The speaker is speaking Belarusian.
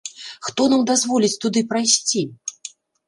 Хто нам дазволіць туды прайсці?